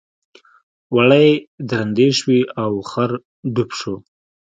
وړۍ درندې شوې او خر ډوب شو.